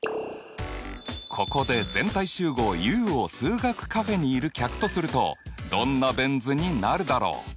ここで全体集合Ｕを数学カフェにいる客とするとどんなベン図になるだろう？